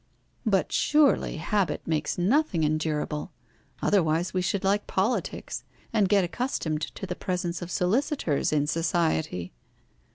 "But surely habit makes nothing endurable. Otherwise we should like politics, and get accustomed to the presence of solicitors in Society."